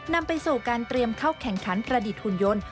นำไปสู่การเตรียมเข้าแข่งขันประดิษฐ์หุ่นยนต์